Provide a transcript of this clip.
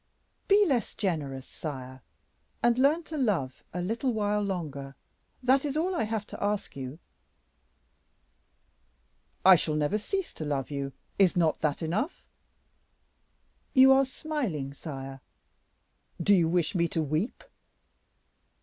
"Be less generous, sire, and learn to love a little while longer, that is all I have to ask you." "I shall never cease to love you; is not that enough?" "You are smiling, sire." "Do you wish me to weep?"